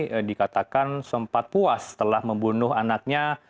yang dikatakan sempat puas setelah membunuh anaknya